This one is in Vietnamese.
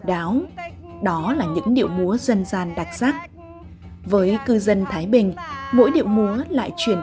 đáo đó là những điệu múa dân gian đặc sắc với cư dân thái bình mỗi điệu múa lại truyền